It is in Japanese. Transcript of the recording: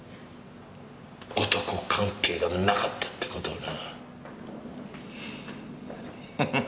男関係がなかったって事をな。